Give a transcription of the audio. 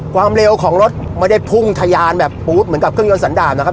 ความเร็วของรถไม่ได้พุ่งทะยานแบบปู๊ดเหมือนกับเครื่องยนสันดาบนะครับ